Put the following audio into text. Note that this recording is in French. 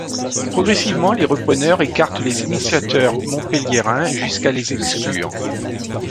Progressivement, les repreneurs écartent les initiateurs montpelliérains jusqu’à les exclure.